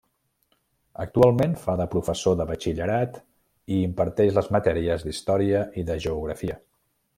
Actualment fa de professor de Batxillerat i imparteix les matèries d'Història i de Geografia.